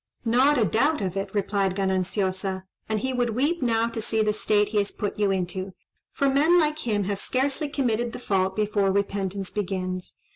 "Not a doubt of it," replied Gananciosa; "and he would weep now to see the state he has put you into: for men like him have scarcely committed the fault before repentance begins.